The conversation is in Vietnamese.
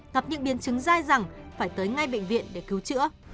gặp những biến chứng dai dẳng phải tới ngay bệnh viện để cứu chữa